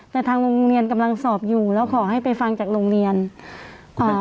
แต่ทางโรงเรียนกำลังสอบอยู่แล้วขอให้ไปฟังจากโรงเรียนอ่า